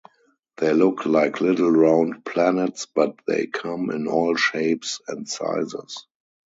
They look like little round planets but they come in all shapes and sizes.